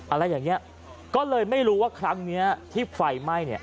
อะไรอย่างนี้ก็เลยไม่รู้ว่าครั้งนี้ที่ไฟไหม้